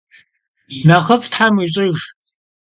Nexhıf' them vuiş'ıjj!